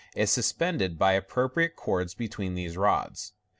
is suspended by appropriate cords between these rods.